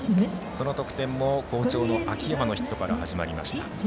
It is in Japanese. その得点も好調の秋山のヒットから始まりました。